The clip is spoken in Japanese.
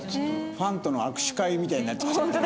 ファンとの握手会みたいになってきちゃった。